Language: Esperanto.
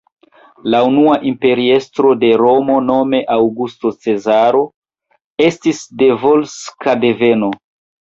La unua imperiestro de Romo nome Aŭgusto Cezaro estis de volska deveno.